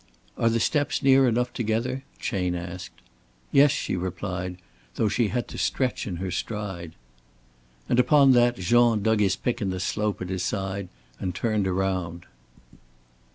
"Are the steps near enough together?" Chayne asked. "Yes," she replied, though she had to stretch in her stride. And upon that Jean dug his pick in the slope at his side and turned round.